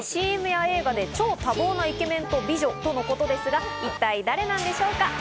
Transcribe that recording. ＣＭや映画で超多忙なイケメンと美女とのことですが一体誰なんでしょうか？